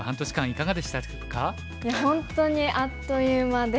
いや本当にあっという間で。